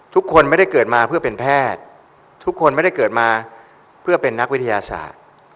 ทุกคนไม่ได้เกิดมาเพื่อเป็นแพทย์ทุกคนไม่ได้เกิดมาเพื่อเป็นนักวิทยาศาสตร์